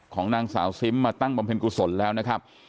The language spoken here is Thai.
ของนางสาวซิมมาตั้งบำเพ็ญกุศลแล้วนะครับ